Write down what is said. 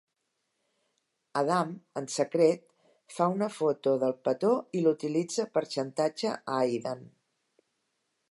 Adam, en secret, fa una foto del petó i l'utilitza per xantatge a Aidan.